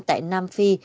tại nam phi